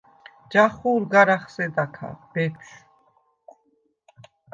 ჯახუ̄ლ გარ ახსედა ქა, ბეფშვ.